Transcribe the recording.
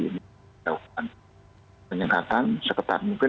kita lakukan penyekatan seketat mungkin